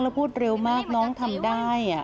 แล้วพูดเร็วมากน้องทำได้